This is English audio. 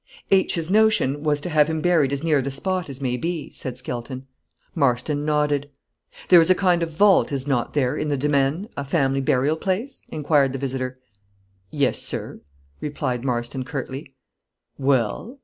"H 's notion was to have him buried as near the spot as may be," said Skelton. Marston nodded. "There is a kind of vault, is not there, in the demesne, a family burial place?" inquired the visitor. "Yes, sir," replied Marston, curtly. "Well?"